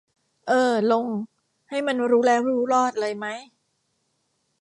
เออ ลง ให้มันรู้แล้วรู้รอดเลยมั้ย